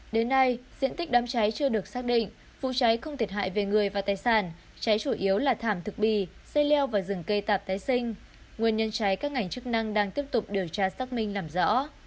đến nay diện tích đám cháy chưa được xác định vụ cháy không thiệt hại về người và tài sản cháy chủ yếu là thảm thực bì xây leo và rừng cây tạp tái sinh nguyên nhân cháy các ngành chức năng đang tiếp tục điều tra xác minh làm rõ